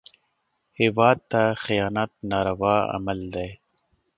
هېواد ته خیانت ناروا عمل دی